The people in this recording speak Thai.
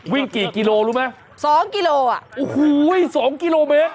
วิ่งกี่กิโลรู้ไหมสองกิโลอ่ะโอ้โหสองกิโลเมตร